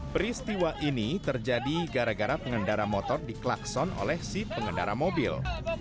peristiwa ini terjadi gara gara pengendara motor diklakson oleh si pengendara mobil